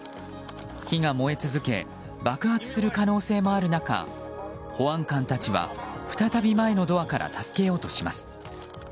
火が燃え続け爆発する可能性もある中保安官たちは、再び前のドアから助けようとします。